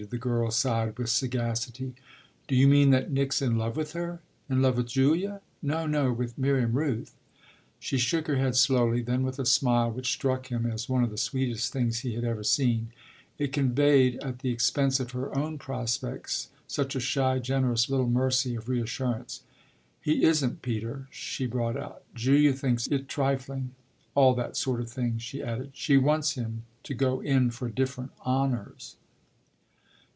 the girl sighed with sagacity. "Do you mean that Nick's in love with her?" "In love with Julia?" "No, no, with Miriam Rooth." She shook her head slowly, then with a smile which struck him as one of the sweetest things he had ever seen it conveyed, at the expense of her own prospects, such a shy, generous little mercy of reassurance "He isn't, Peter," she brought out. "Julia thinks it trifling all that sort of thing," she added "She wants him to go in for different honours."